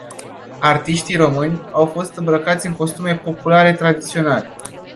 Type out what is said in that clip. Artiștii români, au fost îmbrăcați în costume populare tradiționale.